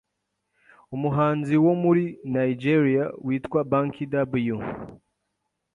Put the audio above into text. umuhanzi wo muri Nigeria witwa Banky W